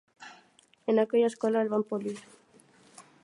En aquella escola el van polir.